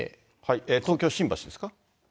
東京・新橋ですか。